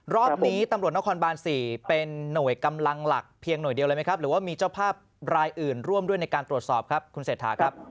รอบนี้ตำรวจนครบาน๔เป็นหน่วยกำลังหลักเพียงหน่วยเดียวเลยไหมครับหรือว่ามีเจ้าภาพรายอื่นร่วมด้วยในการตรวจสอบครับคุณเศรษฐาครับ